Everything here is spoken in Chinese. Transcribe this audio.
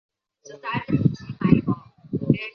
林子崴是台湾青棒投手。